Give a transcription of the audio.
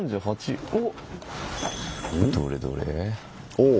おお。